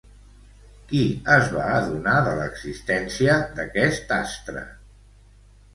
Qui es va adonar de l'existència d'aquest astre?